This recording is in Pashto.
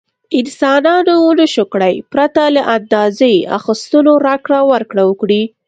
انسانانو ونشو کړای پرته له اندازې اخیستلو راکړه ورکړه وکړي.